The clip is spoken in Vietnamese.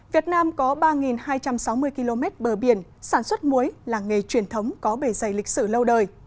việt nam có ba hai trăm sáu mươi km bờ biển sản xuất muối là nghề truyền thống có bề dày lịch sử lâu đời